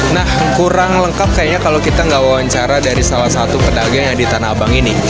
nah kurang lengkap kayaknya kalau kita nggak wawancara dari salah satu pedagang yang di tanah abang ini